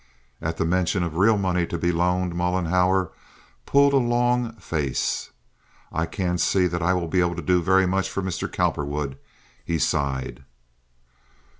At the mention of real money to be loaned Mollenhauer pulled a long face. "I can't see that I will be able to do very much for Mr. Cowperwood," he sighed.